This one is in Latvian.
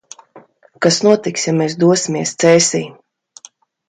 Kas notiks, ja mēs dosimies Cēsīm?